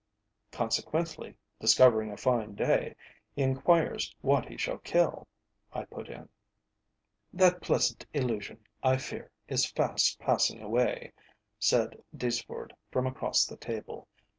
"Consequently, discovering a fine day, he enquires what he shall kill," I put in. "That pleasant illusion, I fear, is fast passing away," said Deeceford from across the table.